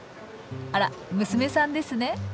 あら娘さんですね。